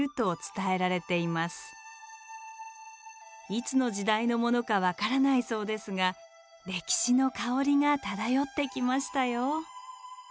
いつの時代のものか分からないそうですが歴史の香りが漂ってきましたよ。